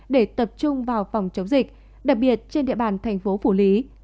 để tập trung vào phòng chống dịch đặc biệt trên địa bàn tp phủ lý